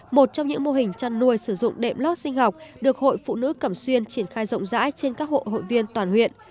một trong những mô hình chăn nuôi sử dụng đệm lót sinh học được hội phụ nữ cẩm xuyên triển khai rộng rãi trên các hộ hội viên toàn huyện